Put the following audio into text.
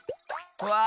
うわ！